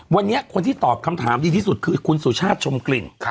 วันนี้คนที่ตอบคำถามดีที่สุดคือคุณสุชาติชมกลิ่น